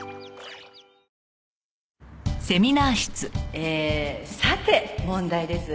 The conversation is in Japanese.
「えさて問題です」